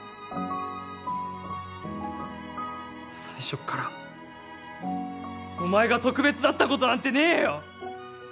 最初っからお前が特別だったことなんてねぇよ！